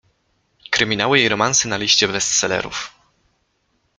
Kryminały i romanse na liście bestsellerów.